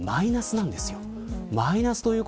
今マイナスなんですよ。